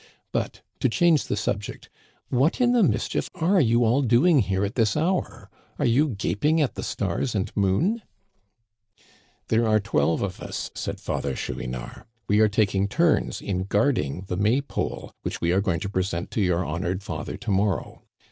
But, to change the subject, what in the mischief are you all doing here at this hour ? Are you gaping at the stars and moon ?"" There are twelve of us," said Father Chouinard. " We are taking turns in guarding the May pole which we are going to present to your honored father to mor row.